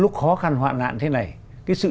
lúc khó khăn hoạn nạn thế này cái sự